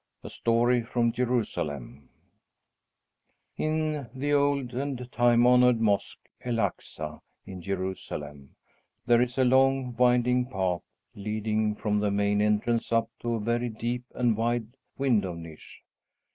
A Story from Jerusalem In the old and time honored mosque, El Aksa, in Jerusalem, there is a long, winding path leading from the main entrance up to a very deep and wide window niche.